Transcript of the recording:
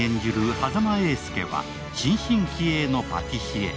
波佐間永介は新進気鋭のパティシエ。